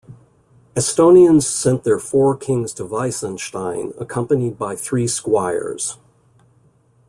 Estonians sent their four kings to Weissenstein accompanied by three squires.